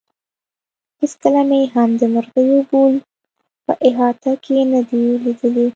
هېڅکله مې هم د مرغیو بول په احاطه کې نه دي لیدلي.